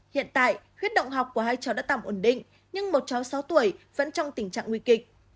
hiện tại huyết động học của hai cháu đã tạm ổn định nhưng một cháu sáu tuổi vẫn trong tình trạng nguy kịch